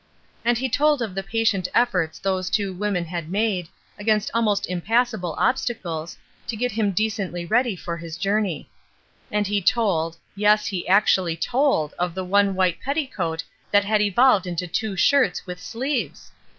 And he told of the patient efforts those two women had made, against almost impassable obstacles, to get him decently ready for his CHILDREN OF ONE FATHER 379 journey. And he told, yes, he actually told of the one white petticoat that had evolved into two shirts, with sleeves!